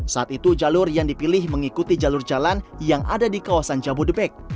saat itu jalur yang dipilih mengikuti jalur jalan yang ada di kawasan jabodebek